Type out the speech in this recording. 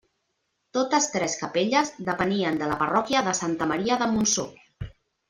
Totes tres capelles depenien de la parròquia de Santa Maria de Montsor.